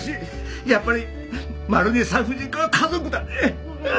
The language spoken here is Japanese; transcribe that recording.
やっぱりマロニエ産婦人科は家族だね！